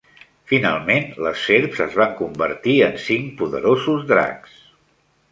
Finalment, les serps es van convertir en cinc poderosos dracs.